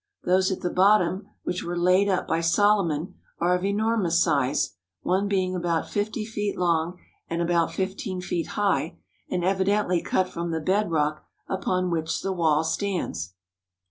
Those at the bottom, which were laid up by Solomon, are of enormous size, one being about fifty feet long and about 45 THE HOLY LAND AND SYRIA fifteen feet high and evidently cut from the bed rock upon which the wall stands.